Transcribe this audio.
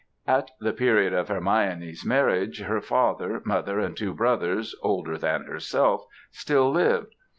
At the period of Hermione's marriage her father, mother, and two brothers, older than herself, still lived.